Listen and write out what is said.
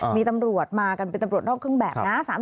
มีตำรวจมากันเป็นตำรวจนอกเครื่องแบบนะ